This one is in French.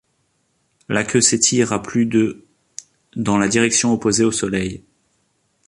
La queue s'étire à plus de dans la direction opposée au Soleil.